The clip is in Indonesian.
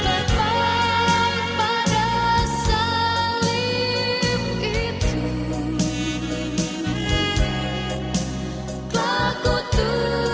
aku tukar dengan makota